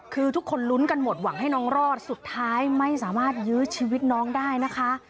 คือทุกคนลุ้นกันหมดหวังให้น้องรอดสุดท้ายไม่สามารถยื้อชีวิตน้องได้นะคะ